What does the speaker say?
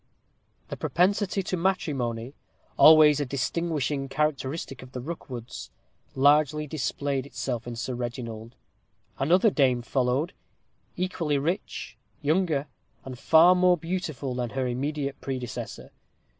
The propensity to matrimony, always a distinguishing characteristic of the Rookwoods, largely displayed itself in Sir Reginald. Another dame followed equally rich, younger, and far more beautiful than her immediate predecessor.